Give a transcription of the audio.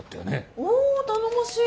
お頼もしい！